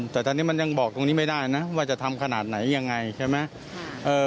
แต่ตอนนี้มันยังบอกตรงนี้ไม่ได้นะว่าจะทำขนาดไหนยังไงใช่ไหม